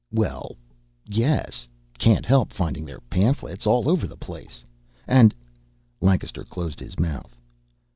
"Well, yes. Can't help finding their pamphlets. All over the place. And " Lancaster closed his mouth.